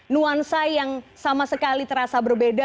nuansa yang sama sekali terasa berbeda